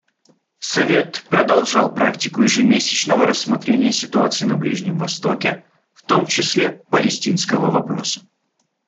Совет продолжал практику ежемесячного рассмотрения ситуации на Ближнем Востоке, в том числе палестинского вопроса.